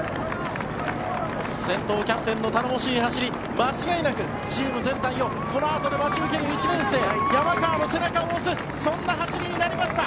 先頭キャプテンの頼もしい走り間違いなくチーム全体をこのあと待ち受ける１年生山川の背中を押すそんな走りになりました。